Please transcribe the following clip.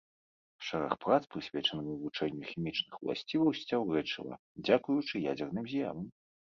Шэраг прац прысвечаны вывучэнню хімічных уласцівасцяў рэчыва дзякуючы ядзерным з'явам.